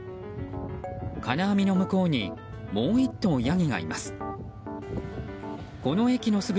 金網の向こうにもう１頭ヤギがいます。